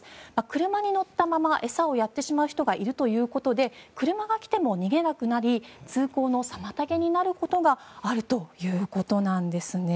車に乗ったまま餌をやってしまう人がいるということで車が来ても逃げなくなり通行の妨げになることがあるということなんです。